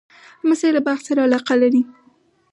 لمسی له باغ سره علاقه لري.